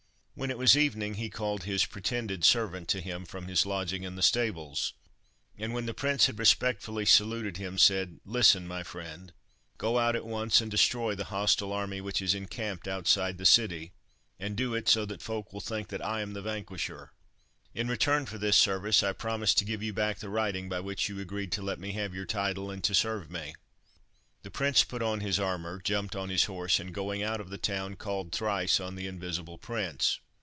When it was evening, he called his pretended servant to him from his lodging in the stables, and, when the prince had respectfully saluted him, said— "Listen, my friend. Go out at once and destroy the hostile army which is encamped outside the city, and do it so that folk will think that I am the vanquisher. In return for this service, I promise to give you back the writing by which you agree to let me have your title and to serve me." The prince put on his armour, jumped on his horse, and, going out of the town, called thrice on the Invisible Prince.